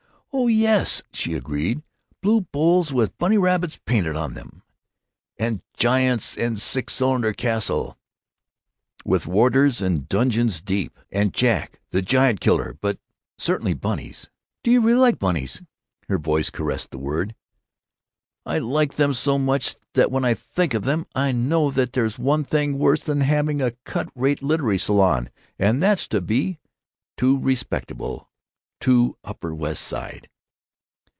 "Oh yes!" she agreed, "blue bowls with bunny rabbits painted on them." "And giants and a six cylinder castle, with warders and a donjon keep. And Jack the Giant killer. But certainly bunnies." "Do you really like bunnies?" Her voice caressed the word. "I like them so much that when I think of them I know that there's one thing worse than having a cut rate literary salon, and that's to be too respectable——" "Too Upper West Side!"